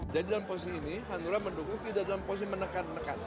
jadi dalam posisi ini hanura mendukung tidak dalam posisi menekan nekan